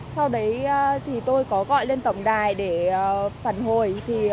sau đấy thì tôi có gọi lên tổng đài để phản hồi